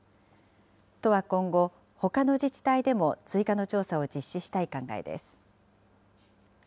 都は今後、ほかの自治体でも追加の調査を実施したい考えです。